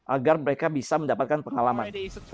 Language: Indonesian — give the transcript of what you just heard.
agar mereka bisa mendapatkan pengalaman